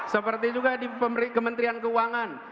seperti juga di kementerian keuangan